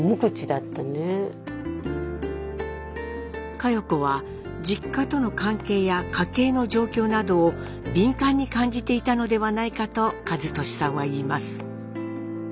佳代子は実家との関係や家計の状況などを敏感に感じていたのではないかと和利さんはいいます。